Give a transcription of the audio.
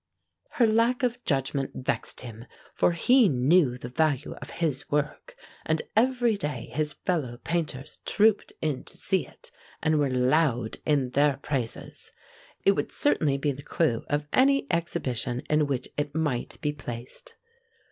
Her lack of judgment vexed him, for he knew the value of his work, and every day his fellow painters trooped in to see it, and were loud in their praises. It would certainly be the clou of any exhibition in which it might be placed.